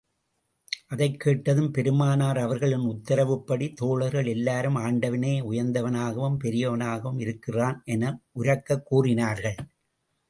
அதைக் கேட்டதும் பெருமானார் அவர்களின் உத்தரவுப்படி தோழர்கள் எல்லோரும் ஆண்டவனே உயர்ந்தவனாகவும், பெரியவனாகவும் இருக்கின்றான் என உரக்கக் கூறினார்கள்.